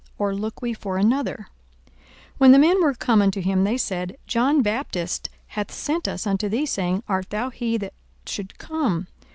or look we for another? 42:007:020 When the men were come unto him, they said, John Baptist hath sent us unto thee, saying, Art thou he that should come?